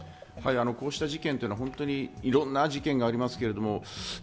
こうした事件というのはいろんな事件がありますけど。